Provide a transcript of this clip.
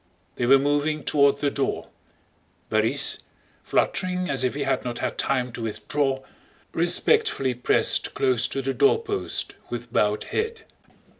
They were moving toward the door. Borís, fluttering as if he had not had time to withdraw, respectfully pressed close to the doorpost with bowed head.